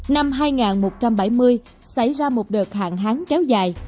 năm hai nghìn một trăm bảy mươi xảy ra một đợt hạn hán kéo dài